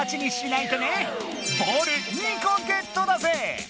ボール２個ゲットだぜ！